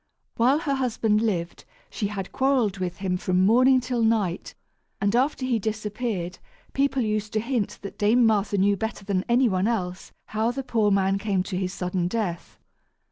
While her husband lived, she had quarrelled with him from morning till night, and after he disappeared, people used to hint that Dame Martha knew better than any one else how the poor man came to his sudden death.